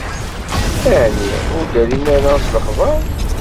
Ɛni ur d-rrin ara s lexber?